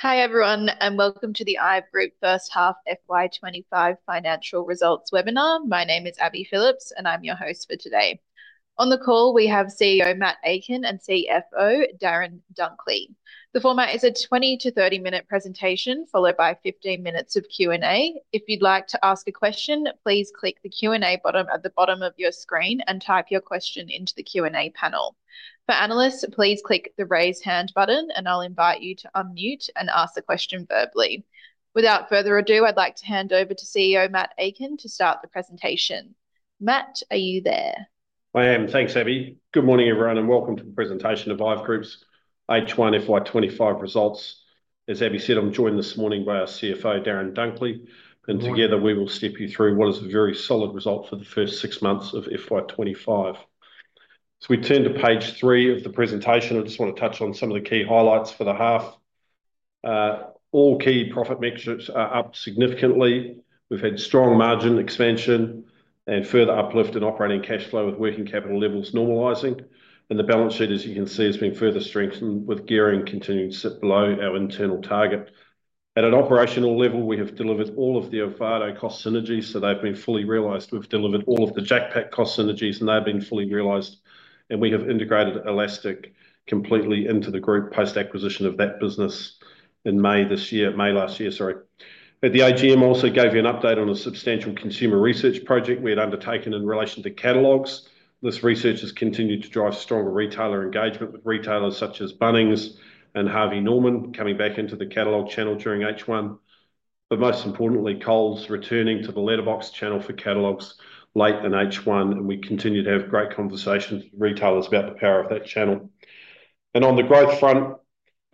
Hi everyone, and welcome to the IVE Group First Half FY25 Financial Results Webinar. My name is Abby Phillips, and I'm your host for today. On the call, we have CEO Matt Aitken and CFO Darren Dunkley. The format is a 20- to 30-minute presentation followed by 15 minutes of Q&A. If you'd like to ask a question, please click the Q&A button at the bottom of your screen and type your question into the Q&A panel. For analysts, please click the raise hand button, and I'll invite you to unmute and ask the question verbally. Without further ado, I'd like to hand over to CEO Matt Aitken to start the presentation. Matt, are you there? I am. Thanks, Abby. Good morning, everyone, and welcome to the presentation of IVE Group's H1 FY25 results. As Abby said, I'm joined this morning by our CFO, Darren Dunkley, and together we will step you through what is a very solid result for the first six months of FY25. So we turn to page three of the presentation. I just want to touch on some of the key highlights for the half. All key profit metrics are up significantly. We've had strong margin expansion and further uplift in operating cash flow with working capital levels normalizing. And the balance sheet, as you can see, has been further strengthened with gearing continuing to sit below our internal target. At an operational level, we have delivered all of the Ovato cost synergies, so they've been fully realized. We've delivered all of the JacPak cost synergies, and they've been fully realized. We have integrated Elastic completely into the group post-acquisition of that business in May this year, May last year, sorry. At the AGM, I also gave you an update on a substantial consumer research project we had undertaken in relation to catalogs. This research has continued to drive stronger retailer engagement with retailers such as Bunnings and Harvey Norman coming back into the catalog channel during H1. But most importantly, Coles returning to the letterbox channel for catalogs late in H1, and we continue to have great conversations with retailers about the power of that channel. On the growth front,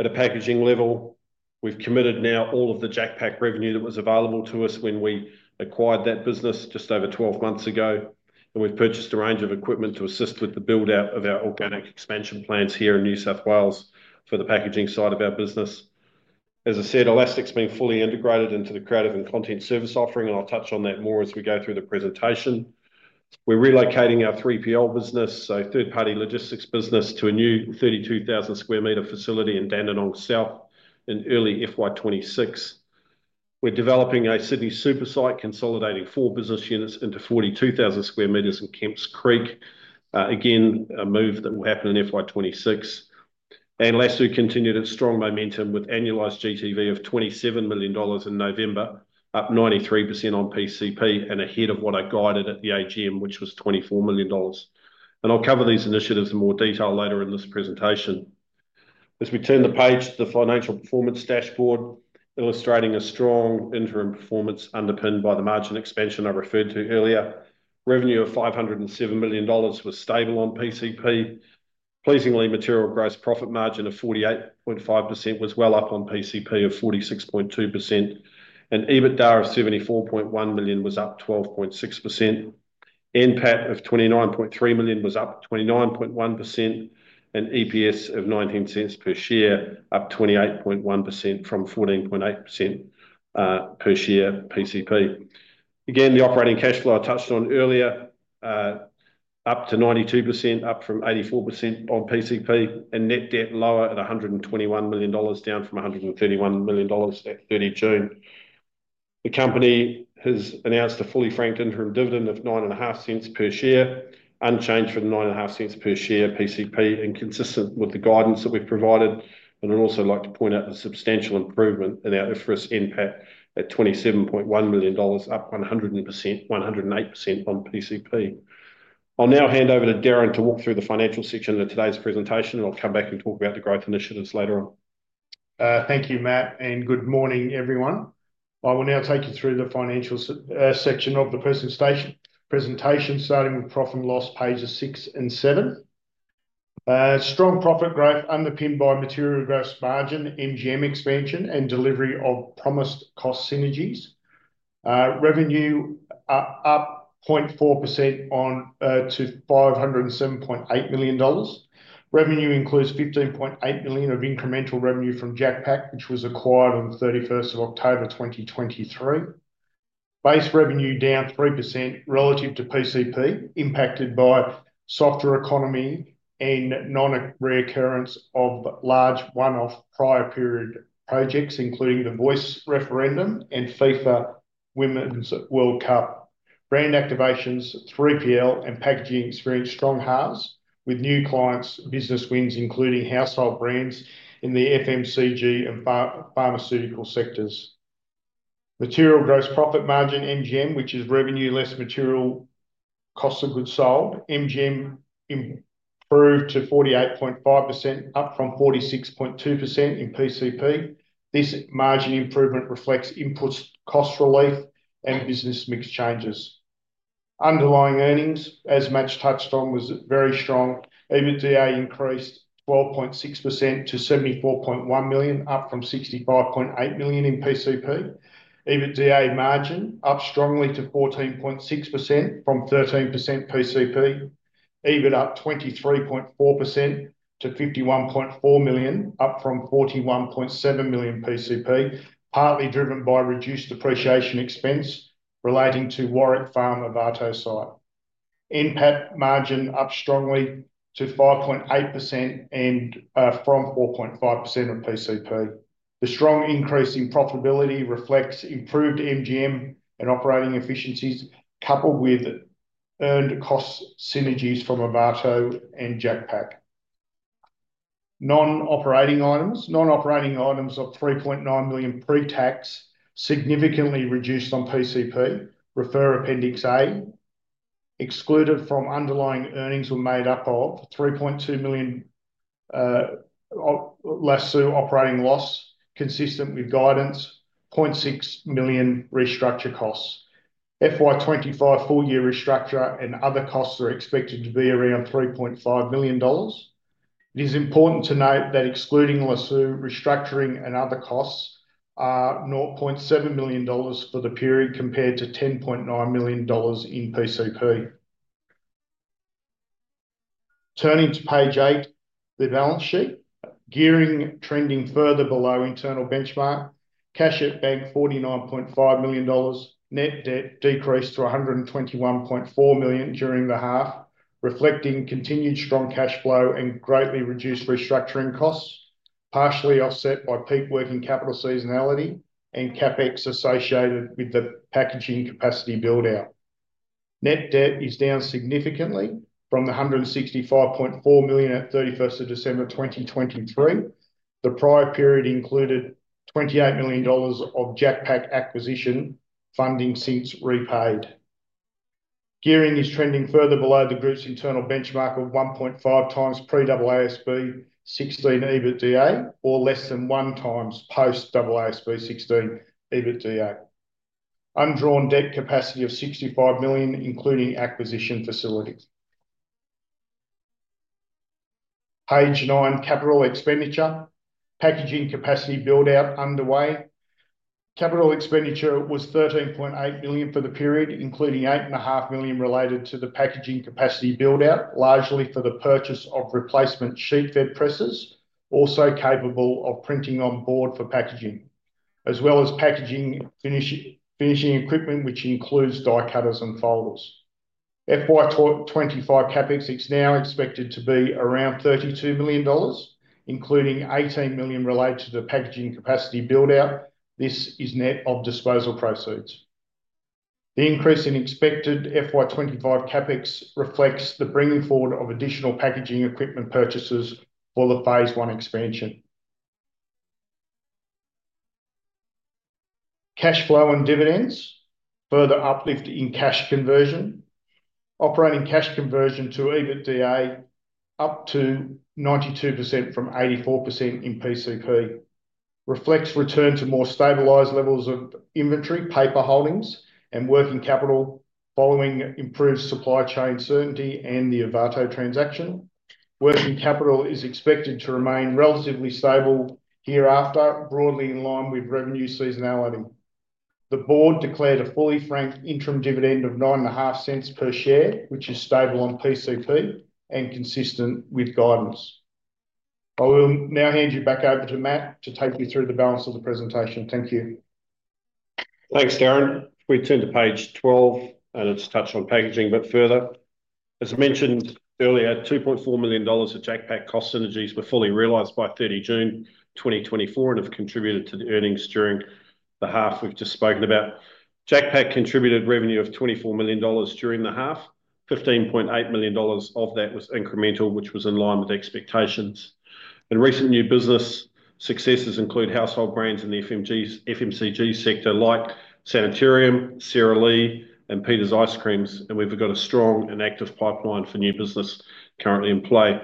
at a packaging level, we've committed now all of the JacPak revenue that was available to us when we acquired that business just over 12 months ago. And we've purchased a range of equipment to assist with the build-out of our organic expansion plans here in New South Wales for the packaging side of our business. As I said, Elastic's been fully integrated into the creative and content service offering, and I'll touch on that more as we go through the presentation. We're relocating our 3PL business, a third-party logistics business, to a new 32,000 sq m facility in Dandenong South in early FY26. We're developing a city super site, consolidating four business units into 42,000 sq m in Kemps Creek. Again, a move that will happen in FY26. And Lasoo continued its strong momentum with annualized GTV of 27 million dollars in November, up 93% on PCP and ahead of what I guided at the AGM, which was 24 million dollars. And I'll cover these initiatives in more detail later in this presentation. As we turn the page to the financial performance dashboard, illustrating a strong interim performance underpinned by the margin expansion I referred to earlier. Revenue of 507 million dollars was stable on PCP. Pleasingly, material gross profit margin of 48.5% was well up on PCP of 46.2%, and EBITDA of 74.1 million was up 12.6%. NPAT of 29.3 million was up 29.1%, and EPS of 0.19 per share, up 28.1% from 0.148 per share PCP. Again, the operating cash flow I touched on earlier, up to 92%, up from 84% on PCP, and net debt lower at 121 million dollars, down from 131 million dollars at 30 June. The company has announced a fully franked interim dividend of 0.95 per share, unchanged from 0.95 per share PCP, and consistent with the guidance that we've provided. And I'd also like to point out a substantial improvement in our IFRS NPAT at $27.1 million, up 108% on PCP. I'll now hand over to Darren to walk through the financial section of today's presentation, and I'll come back and talk about the growth initiatives later on. Thank you, Matt, and good morning, everyone. I will now take you through the financial section of the presentation, starting with profit and loss pages six and seven. Strong profit growth underpinned by material gross margin, MGM expansion, and delivery of promised cost synergies. Revenue up 0.4% to 507.8 million dollars. Revenue includes 15.8 million of incremental revenue from JacPak, which was acquired on 31 October 2023. Base revenue down 3% relative to PCP, impacted by softer economy and non-recurrence of large one-off prior period projects, including the Voice referendum and FIFA Women's World Cup. Brand activations, 3PL and packaging experienced strong growth with new clients, business wins including household brands in the FMCG and pharmaceutical sectors. Material gross profit margin, MGM, which is revenue less material cost of goods sold, MGM improved to 48.5%, up from 46.2% in PCP. This margin improvement reflects input cost relief and business mix changes. Underlying earnings, as Matt's touched on, was very strong. EBITDA increased 12.6% to 74.1 million, up from 65.8 million in PCP. EBITDA margin up strongly to 14.6% from 13% PCP. EBIT up 23.4% to 51.4 million, up from 41.7 million PCP, partly driven by reduced depreciation expense relating to Warwick Farm Ovato site. NPAT margin up strongly to 5.8% and from 4.5% of PCP. The strong increase in profitability reflects improved MGM and operating efficiencies coupled with earned cost synergies from Ovato and JacPak. Non-operating items of 3.9 million pre-tax significantly reduced on PCP, refer appendix A. Excluded from underlying earnings were made up of 3.2 million Lasoo operating loss consistent with guidance, $0.6 million restructure costs. FY25 full year restructure and other costs are expected to be around 3.5 million dollars. It is important to note that excluding Lasoo restructuring and other costs are 0.7 million dollars for the period compared to 10.9 million dollars in PCP. Turning to page eight, the balance sheet. Gearing trending further below internal benchmark, cash at bank 49.5 million dollars, net debt decreased to 121.4 million during the half, reflecting continued strong cash flow and greatly reduced restructuring costs, partially offset by peak working capital seasonality and CapEx associated with the packaging capacity build-out. Net debt is down significantly from the 165.4 million at 31 December 2023. The prior period included 28 million dollars of JacPak acquisition funding since repaid. Gearing is trending further below the group's internal benchmark of 1.5 times pre-AASB 16 EBITDA or less than one times post-AASB 16 EBITDA. Undrawn debt capacity of 65 million, including acquisition facilities. Page nine, capital expenditure, packaging capacity build-out underway. Capital expenditure was 13.8 million for the period, including 8.5 million related to the packaging capacity build-out, largely for the purchase of replacement sheet-fed presses, also capable of printing on Board for packaging, as well as packaging finishing equipment, which includes die cutters and folders. FY25 CapEx is now expected to be around 32 million dollars, including 18 million related to the packaging capacity build-out. This is net of disposal proceeds. The increase in expected FY25 CapEx reflects the bringing forward of additional packaging equipment purchases for the phase I expansion. Cash flow and dividends, further uplift in cash conversion. Operating cash conversion to EBITDA up to 92% from 84% in PCP reflects return to more stabilized levels of inventory, paper holdings, and working capital following improved supply chain certainty and the Ovato transaction. Working capital is expected to remain relatively stable hereafter, broadly in line with revenue seasonality. The board declared a fully franked interim dividend of 0.95 per share, which is stable on PCP and consistent with guidance. I will now hand you back over to Matt to take you through the balance of the presentation. Thank you. Thanks, Darren Dunkley. We turn to page 12, and it's touched on packaging a bit further. As mentioned earlier, 2.4 million dollars of JacPak cost synergies were fully realized by 30 June 2024 and have contributed to the earnings during the half we've just spoken about. JacPak contributed revenue of 24 million dollars during the half. 15.8 million dollars of that was incremental, which was in line with expectations. And recent new business successes include household brands in the FMCG sector like Sanitarium, Sara Lee, and Peters Ice Cream. And we've got a strong and active pipeline for new business currently in play.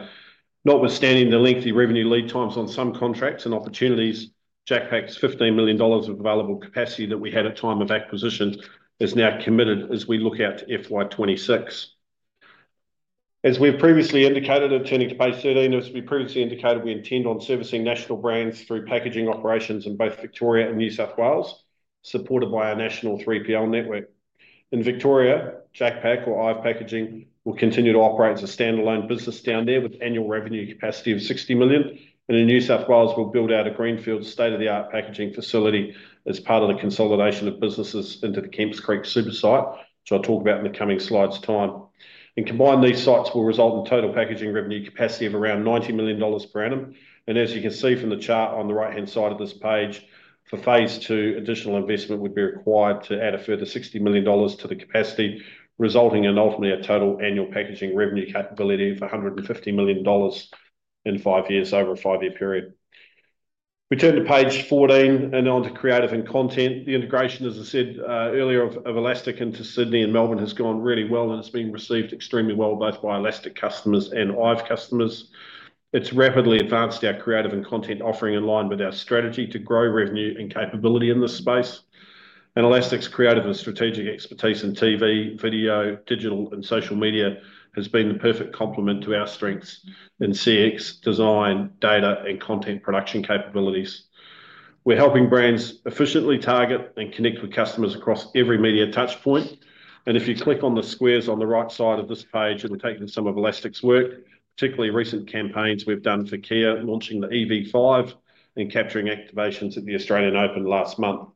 Notwithstanding the lengthy revenue lead times on some contracts and opportunities, JacPak's 15 million dollars of available capacity that we had at time of acquisition is now committed as we look out to FY26. As we've previously indicated, turning to page 13, we intend on servicing national brands through packaging operations in both Victoria and New South Wales, supported by our national 3PL network. In Victoria, JacPak or IVE Packaging will continue to operate as a standalone business down there with annual revenue capacity of 60 million. In New South Wales, we'll build out a greenfield state-of-the-art packaging facility as part of the consolidation of businesses into the Kemps Creek super site, which I'll talk about in the coming slides' time. Combined, these sites will result in total packaging revenue capacity of around 90 million dollars per annum. As you can see from the chart on the right-hand side of this page, for phase two, additional investment would be required to add a further 60 million dollars to the capacity, resulting in ultimately a total annual packaging revenue capability of 150 million dollars in five years over a five-year period. We turn to page 14 and on to creative and content. The integration, as I said earlier, of Elastic into Sydney and Melbourne has gone really well, and it's been received extremely well both by Elastic customers and IVE customers. It's rapidly advanced our creative and content offering in line with our strategy to grow revenue and capability in this space. Elastic's creative and strategic expertise in TV, video, digital, and social media has been the perfect complement to our strengths in CX, design, data, and content production capabilities. We're helping brands efficiently target and connect with customers across every media touchpoint, and if you click on the squares on the right side of this page and take some of Elastic's work, particularly recent campaigns we've done for Kia, launching the EV5 and capturing activations at the Australian Open last month,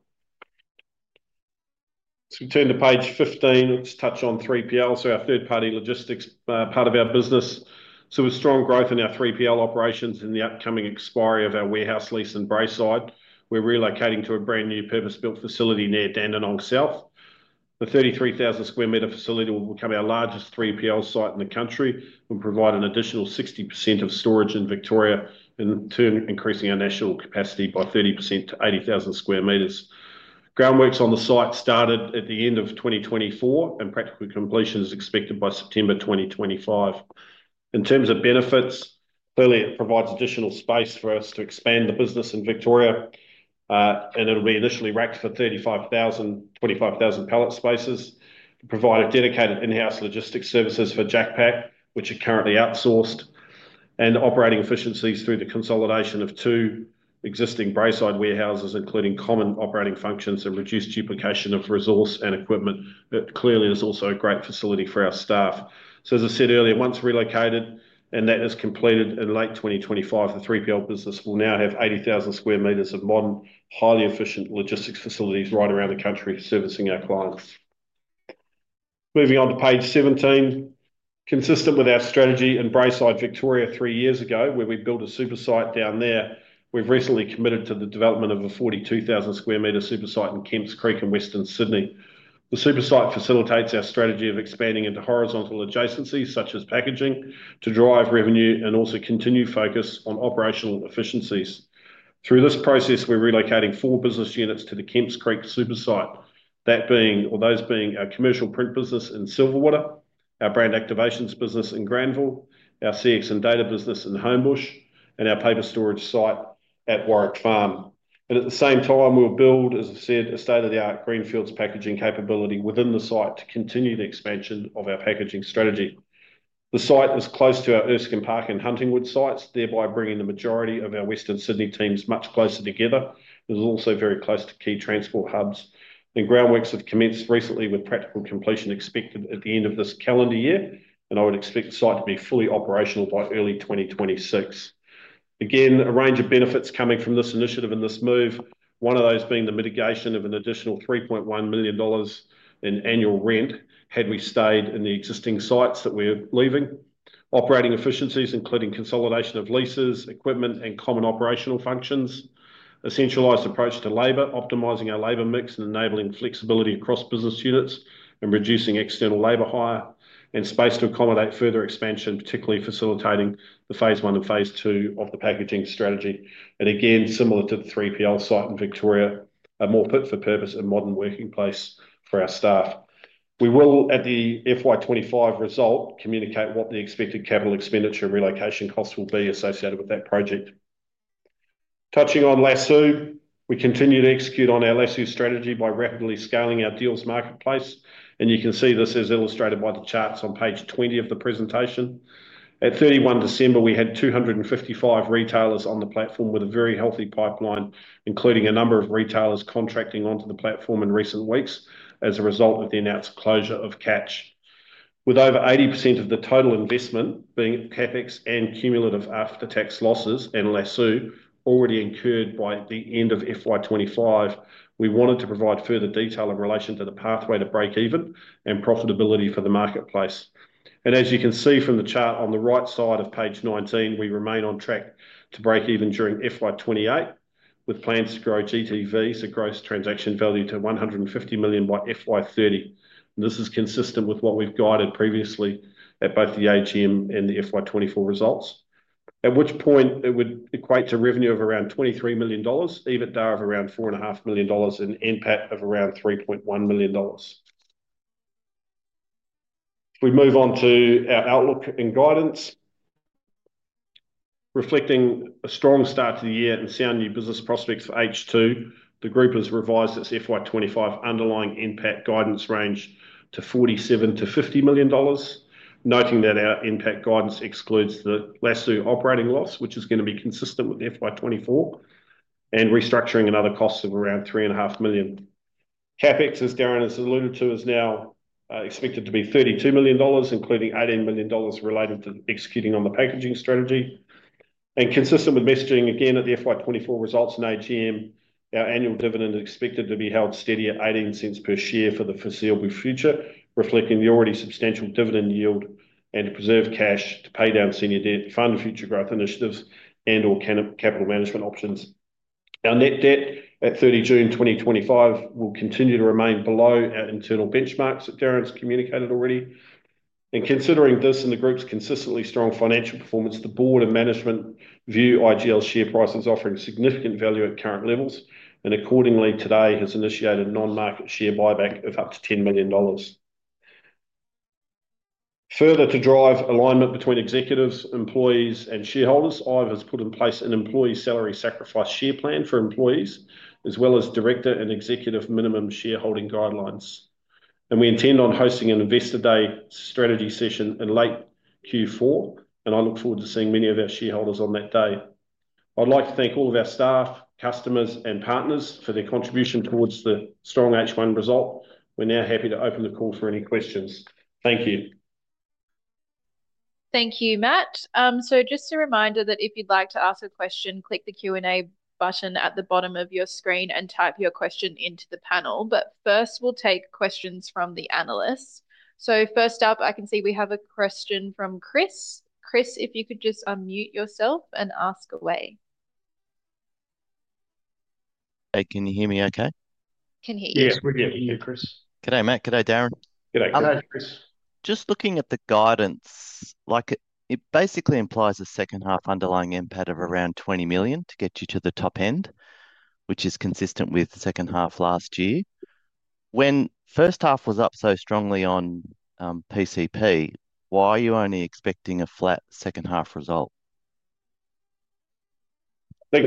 so we turn to page 15, which touches on 3PL, so our third-party logistics part of our business, so with strong growth in our 3PL operations and the upcoming expiry of our warehouse lease in Braeside, we're relocating to a brand new purpose-built facility near Dandenong South. The 33,000 sq m facility will become our largest 3PL site in the country and provide an additional 60% of storage in Victoria, in turn increasing our national capacity by 30% to 80,000 sq m. Groundworks on the site started at the end of 2024, and practical completion is expected by September 2025. In terms of benefits, clearly it provides additional space for us to expand the business in Victoria, and it'll be initially racked for 35,000 pallet spaces. We provide a dedicated in-house logistics services for JacPak, which are currently outsourced, and operating efficiencies through the consolidation of two existing Braeside warehouses, including common operating functions and reduced duplication of resource and equipment. It clearly is also a great facility for our staff, so as I said earlier, once relocated and that is completed in late 2025, the 3PL business will now have 80,000 sq m of modern, highly efficient logistics facilities right around the country servicing our clients. Moving on to page 17, consistent with our strategy in Braeside Victoria three years ago, where we built a super site down there, we've recently committed to the development of a 42,000 sq m super site in Kemps Creek in Western Sydney. The super site facilitates our strategy of expanding into horizontal adjacencies such as packaging to drive revenue and also continue focus on operational efficiencies. Through this process, we're relocating four business units to the Kemps Creek super site, that being, or those being, our commercial print business in Silverwater, our brand activations business in Granville, our CX and data business in Homebush, and our paper storage site at Warwick Farm, and at the same time, we'll build, as I said, a state-of-the-art Greenfields packaging capability within the site to continue the expansion of our packaging strategy. The site is close to our Erskine Park and Huntingwood sites, thereby bringing the majority of our Western Sydney teams much closer together. It is also very close to key transport hubs. Groundworks have commenced recently with practical completion expected at the end of this calendar year, and I would expect the site to be fully operational by early 2026. Again, a range of benefits coming from this initiative and this move, one of those being the mitigation of an additional 3.1 million dollars in annual rent had we stayed in the existing sites that we're leaving. Operating efficiencies, including consolidation of leases, equipment, and common operational functions. A centralized approach to labor, optimizing our labor mix and enabling flexibility across business units and reducing external labour hire and space to accommodate further expansion, particularly facilitating the phase one and phase two of the packaging strategy. Again, similar to the 3PL site in Victoria, a more fit for purpose and modern workplace for our staff. We will, at the FY25 result, communicate what the expected capital expenditure and relocation costs will be associated with that project. Touching on Lasoo, we continue to execute on our Lasoo strategy by rapidly scaling our deals marketplace, and you can see this as illustrated by the charts on page 20 of the presentation. At 31 December, we had 255 retailers on the platform with a very healthy pipeline, including a number of retailers contracting onto the platform in recent weeks as a result of the announced closure of Catch. With over 80% of the total investment being CapEx and cumulative after-tax losses and Lasoo already incurred by the end of FY25, we wanted to provide further detail in relation to the pathway to break even and profitability for the marketplace, and as you can see from the chart on the right side of page 19, we remain on track to break even during FY28 with plans to grow GTV, so gross transaction value to 150 million by FY30. This is consistent with what we've guided previously at both the AGM and the FY24 results, at which point it would equate to revenue of around 23 million dollars, EBITDA of around 4.5 million dollars, and NPAT of around 3.1 million dollars. We move on to our outlook and guidance. Reflecting a strong start to the year and sound new business prospects for H2, the group has revised its FY25 underlying EBITDA guidance range to 47 million-50 million dollars, noting that our EBITDA guidance excludes the Lasoo operating loss, which is going to be consistent with FY24, and restructuring and other costs of around 3.5 million. CapEx, as Darren has alluded to, is now expected to be 32 million dollars, including 18 million dollars related to executing on the packaging strategy, and consistent with messaging again at the FY24 results and AGM, our annual dividend is expected to be held steady at 0.18 per share for the foreseeable future, reflecting the already substantial dividend yield and to preserve cash to pay down senior debt, fund future growth initiatives, and/or capital management options. Our net debt at 30 June 2025 will continue to remain below our internal benchmarks that Darren's communicated already. Considering this and the group's consistently strong financial performance, the board and management view IVE's share price as offering significant value at current levels, and accordingly, today has initiated on-market share buyback of up to 10 million dollars. Further to drive alignment between executives, employees, and shareholders, IVE has put in place an employee salary sacrifice share plan for employees, as well as director and executive minimum shareholding guidelines. We intend on hosting an Investor Day strategy session in late Q4, and I look forward to seeing many of our shareholders on that day. I'd like to thank all of our staff, customers, and partners for their contribution towards the strong H1 result. We're now happy to open the call for any questions. Thank you. Thank you, Matt. So just a reminder that if you'd like to ask a question, click the Q&A button at the bottom of your screen and type your question into the panel. But first, we'll take questions from the analysts. So first up, I can see we have a question from Chris. Chris, if you could just unmute yourself and ask away. Hey, can you hear me okay? Can hear you. Yes, we can hear you, Chris. Good day, Matt. Good day, Darren. Good day, Chris. Just looking at the guidance, like it basically implies a second half underlying impact of around 20 million to get you to the top end, which is consistent with the second half last year. When first half was up so strongly on PCP, why are you only expecting a flat second half result? So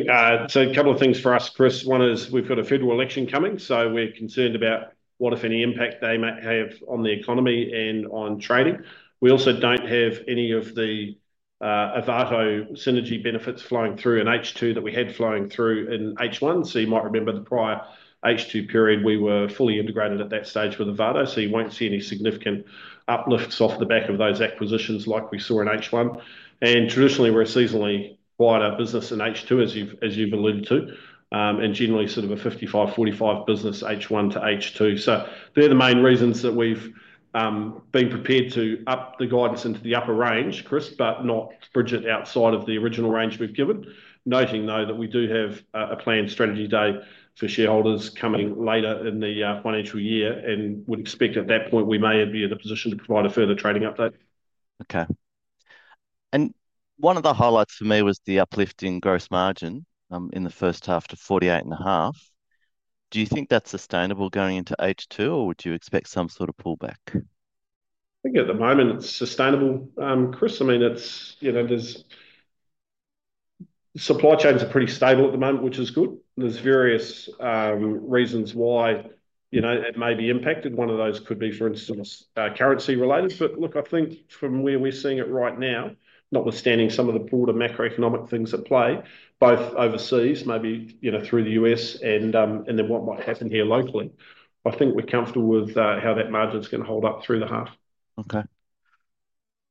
a couple of things for us, Chris. One is we've got a federal election coming, so we're concerned about what if any impact they might have on the economy and on trading. We also don't have any of the Ovato synergy benefits flowing through in H2 that we had flowing through in H1. So you might remember the prior H2 period, we were fully integrated at that stage with Ovato, so you won't see any significant uplifts off the back of those acquisitions like we saw in H1. And traditionally, we're a seasonally quieter business in H2, as you've alluded to, and generally sort of a 55-45 business H1 to H2. So they're the main reasons that we've been prepared to up the guidance into the upper range, Chris, but not bridge it outside of the original range we've given. Noting though that we do have a planned strategy day for shareholders coming later in the financial year, and would expect at that point we may be in a position to provide a further trading update. Okay, and one of the highlights for me was the uplift in gross margin in the first half to 48.5%. Do you think that's sustainable going into H2, or would you expect some sort of pullback? I think at the moment it's sustainable, Chris. I mean, it's, you know, there's supply chains are pretty stable at the moment, which is good. There's various reasons why, you know, it may be impacted. One of those could be, for instance, currency related. But look, I think from where we're seeing it right now, notwithstanding some of the broader macroeconomic things at play, both overseas, maybe, you know, through the US and then what might happen here locally, I think we're comfortable with how that margin's going to hold up through the half. Okay.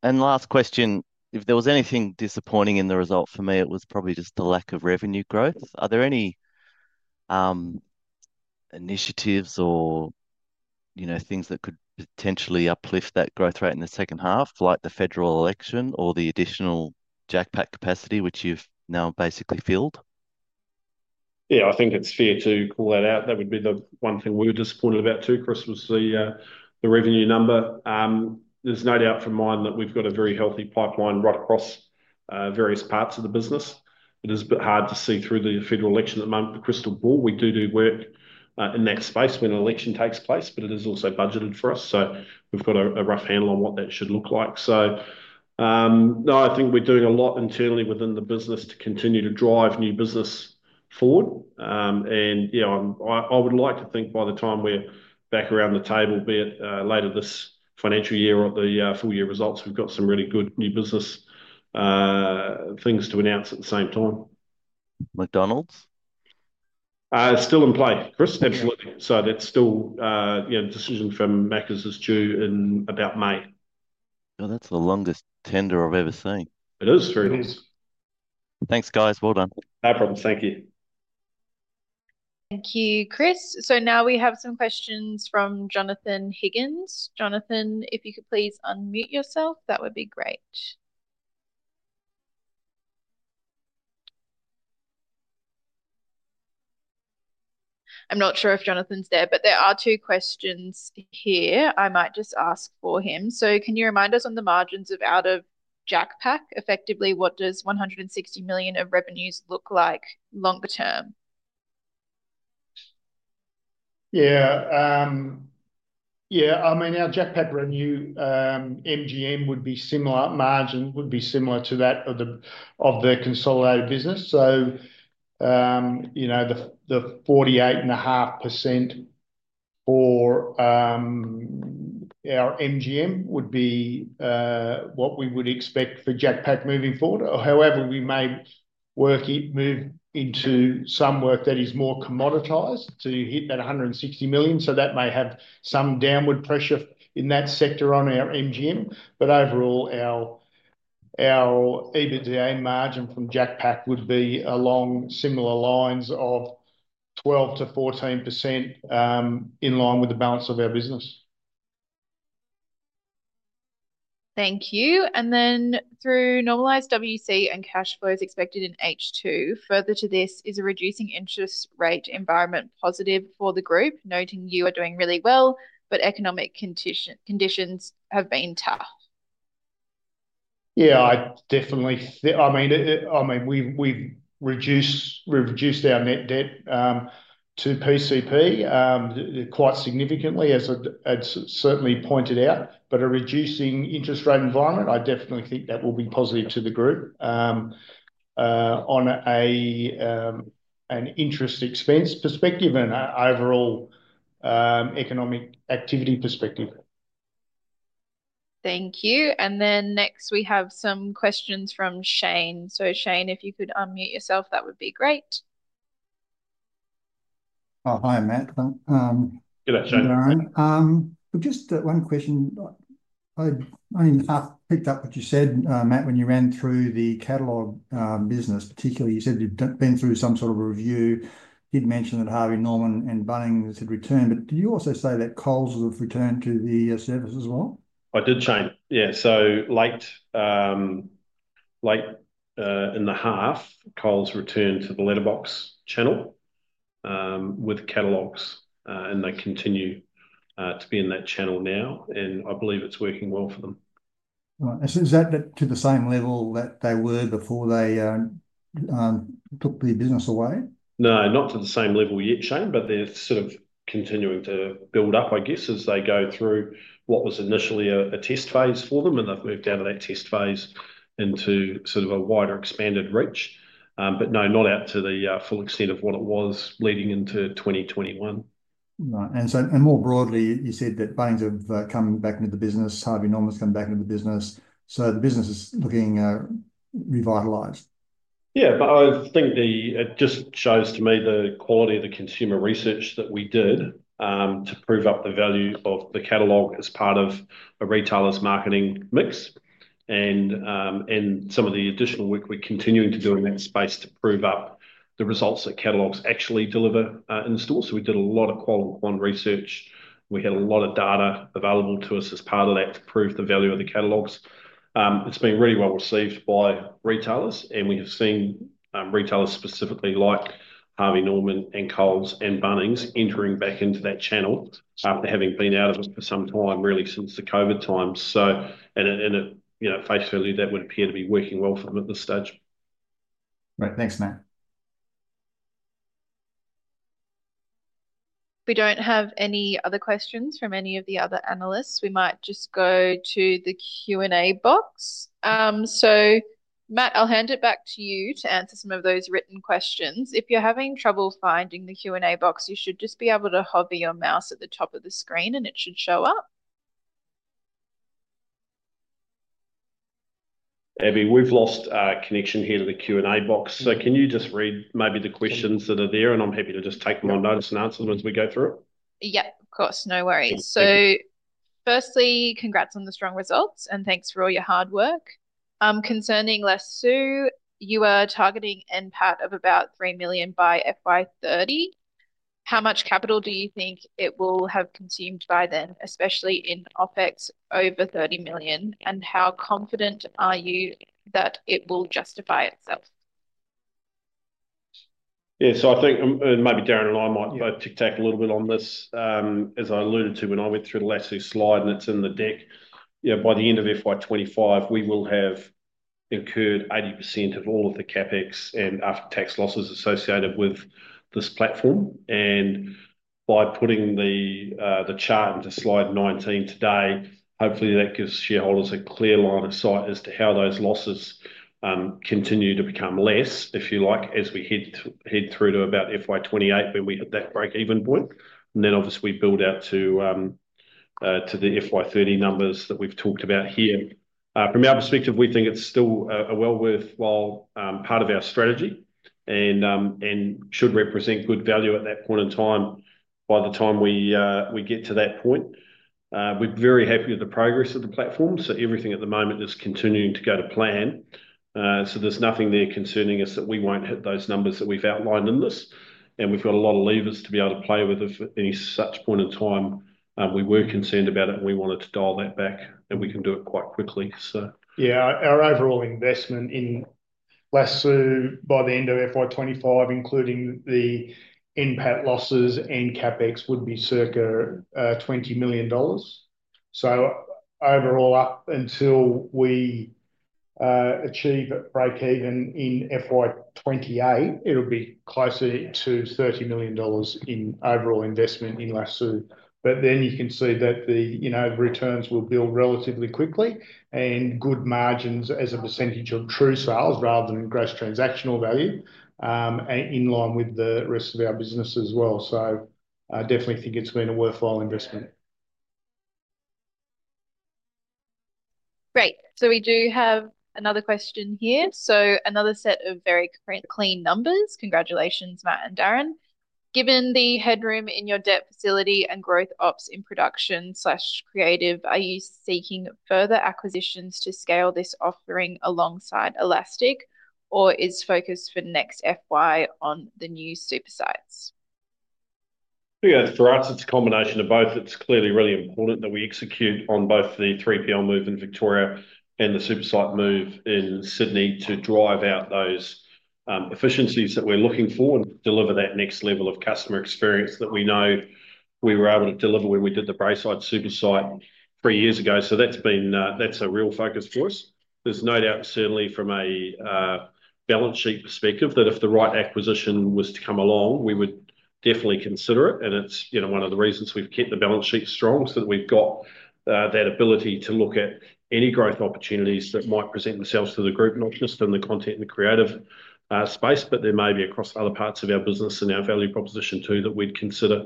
And last question, if there was anything disappointing in the result for me, it was probably just the lack of revenue growth. Are there any initiatives or, you know, things that could potentially uplift that growth rate in the second half, like the federal election or the additional JacPak capacity, which you've now basically filled? Yeah, I think it's fair to call that out. That would be the one thing we were disappointed about too, Chris, was the revenue number. There's no doubt from mine that we've got a very healthy pipeline right across various parts of the business. It is a bit hard to see through the federal election at the moment, the crystal ball. We do do work in that space when an election takes place, but it is also budgeted for us, so we've got a rough handle on what that should look like. So no, I think we're doing a lot internally within the business to continue to drive new business forward. Yeah, I would like to think by the time we're back around the table, be it later this financial year or the full year results, we've got some really good new business things to announce at the same time. McDonald's? Still in play, Chris. Absolutely. So that's still, you know, decision from McDonald's due in about May. Oh, that's the longest tender I've ever seen. It is true. It is. Thanks, guys. Well done. No problem. Thank you. Thank you, Chris. So now we have some questions from Jonathan Higgins. Jonathan, if you could please unmute yourself, that would be great. I'm not sure if Jonathan's there, but there are two questions here. I might just ask for him. So can you remind us on the margins out of JacPak, effectively, what does 160 million of revenues look like longer term? Yeah. Yeah, I mean, our JacPak revenue, MGM would be similar, margin would be similar to that of the consolidated business. So, you know, the 48.5% for our MGM would be what we would expect for JacPak moving forward. However, we may work it, move into some work that is more commoditized to hit that 160 million. So that may have some downward pressure in that sector on our MGM. But overall, our EBITDA margin from JacPak would be along similar lines of 12%-14% in line with the balance of our business. Thank you. And then through normalized WC and cash flows expected in H2, further to this is a reducing interest rate environment positive for the group, noting you are doing really well, but economic conditions have been tough. Yeah, I definitely, I mean, we've reduced our net debt to PCP quite significantly, as I'd certainly pointed out, but a reducing interest rate environment, I definitely think that will be positive to the group on an interest expense perspective and an overall economic activity perspective. Thank you. Then next we have some questions from Shane. Shane, if you could unmute yourself, that would be great. Oh, hi, Matt. Good day, Shane. Just one question. I mean, I picked up what you said, Matt, when you ran through the catalog business, particularly you said you'd been through some sort of review. You'd mentioned that Harvey Norman and Bunnings had returned, but did you also say that Coles have returned to the service as well? I did, Shane. Yeah. So late in the half, Coles returned to the letterbox channel with catalogs, and they continue to be in that channel now, and I believe it's working well for them. Is that to the same level that they were before they took the business away? No, not to the same level yet, Shane, but they're sort of continuing to build up, I guess, as they go through what was initially a test phase for them, and they've moved down to that test phase into sort of a wider expanded reach. But no, not out to the full extent of what it was leading into 2021. Right. And so more broadly, you said that Bunnings have come back into the business, Harvey Norman's come back into the business. So the business is looking revitalized. Yeah, but I think it just shows to me the quality of the consumer research that we did to prove up the value of the catalog as part of a retailer's marketing mix and some of the additional work we're continuing to do in that space to prove up the results that catalogs actually deliver in stores. So we did a lot of quality one research. We had a lot of data available to us as part of that to prove the value of the catalogs. It's been really well received by retailers, and we have seen retailers specifically like Harvey Norman and Coles and Bunnings entering back into that channel after having been out of it for some time, really since the COVID times. So in a, you know, face value, that would appear to be working well for them at this stage. Right. Thanks, Matt. We don't have any other questions from any of the other analysts. We might just go to the Q&A box. So Matt, I'll hand it back to you to answer some of those written questions. If you're having trouble finding the Q&A box, you should just be able to hover your mouse at the top of the screen, and it should show up. Abby, we've lost our connection here to the Q&A box. So can you just read maybe the questions that are there, and I'm happy to just take them on notice and answer them as we go through it? Yep, of course. No worries. So firstly, congrats on the strong results, and thanks for all your hard work. Concerning Lasoo, you are targeting NPAT of about 3 million by FY30. How much capital do you think it will have consumed by then, especially in OpEx over 30 million? And how confident are you that it will justify itself? Yeah, so I think maybe Darren and I might both tag-team a little bit on this. As I alluded to when I went through the Lasoo slide and it's in the deck, you know, by the end of FY25, we will have incurred 80% of all of the CapEx and after-tax losses associated with this platform. And by putting the chart into slide 19 today, hopefully that gives shareholders a clear line of sight as to how those losses continue to become less, if you like, as we head through to about FY28, where we hit that break-even point. And then obviously we build out to the FY30 numbers that we've talked about here. From our perspective, we think it's still a well worthwhile part of our strategy and should represent good value at that point in time by the time we get to that point. We're very happy with the progress of the platform, so everything at the moment is continuing to go to plan, so there's nothing there concerning us that we won't hit those numbers that we've outlined in this, and we've got a lot of levers to be able to play with if at any such point in time we were concerned about it and we wanted to dial that back and we can do it quite quickly. So, yeah, our overall investment in Lasoo by the end of FY25, including the NPAT losses and CapEx, would be circa 20 million dollars, so overall, up until we achieve a break-even in FY28, it'll be closer to 30 million dollars in overall investment in Lasoo. But then you can see that the, you know, returns will build relatively quickly and good margins as a percentage of true sales rather than gross transactional value in line with the rest of our business as well. So I definitely think it's been a worthwhile investment. Great. So we do have another question here. So another set of very current clean numbers. Congratulations, Matt and Darren. Given the headroom in your debt facility and growth ops in production/creative, are you seeking further acquisitions to scale this offering alongside Elastic, or is focus for next FY on the new super sites? Yeah, for us, it's a combination of both. It's clearly really important that we execute on both the 3PL move in Victoria and the super site move in Sydney to drive out those efficiencies that we're looking for and deliver that next level of customer experience that we know we were able to deliver when we did the Braeside super site three years ago. So that's been a real focus for us. There's no doubt, certainly from a balance sheet perspective, that if the right acquisition was to come along, we would definitely consider it. And it's, you know, one of the reasons we've kept the balance sheet strong so that we've got that ability to look at any growth opportunities that might present themselves to the group, not just in the content and creative space, but there may be across other parts of our business and our value proposition too that we'd consider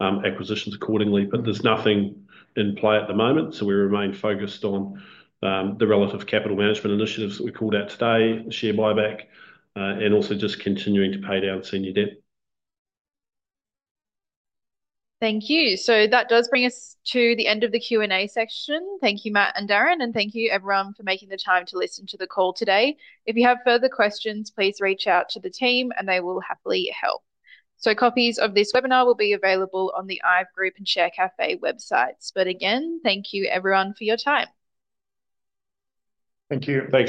acquisitions accordingly. But there's nothing in play at the moment. So we remain focused on the relative capital management initiatives that we called out today, share buyback, and also just continuing to pay down senior debt. Thank you. So that does bring us to the end of the Q&A section. Thank you, Matt and Darren, and thank you everyone for making the time to listen to the call today. If you have further questions, please reach out to the team and they will happily help. So copies of this webinar will be available on the IVE Group and ShareCafe websites. But again, thank you everyone for your time. Thank you. Thanks.